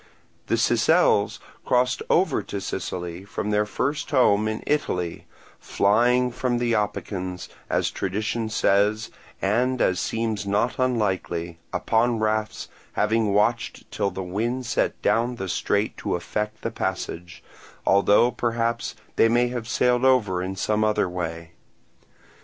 The Sicels crossed over to Sicily from their first home Italy, flying from the Opicans, as tradition says and as seems not unlikely, upon rafts, having watched till the wind set down the strait to effect the passage; although perhaps they may have sailed over in some other way.